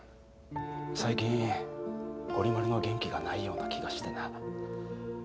最近ゴリ丸の元気がないような気がしてな。